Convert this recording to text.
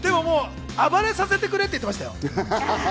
暴れさせてくれ！って言ってましたよ。